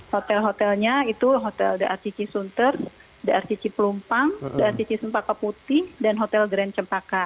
hotel hotelnya itu hotel the rcc sunter the rcc pelumpang the rcc sempaka putih dan hotel grand sempaka